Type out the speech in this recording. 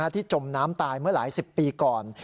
จมน้ำตายเมื่อหลายสิบปีก่อน